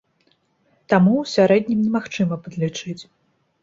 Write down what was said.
Таму ў сярэднім немагчыма падлічыць.